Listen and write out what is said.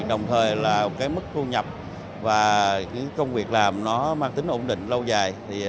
đồng thời là mức thu nhập và công việc làm nó mang tính ổn định lâu dài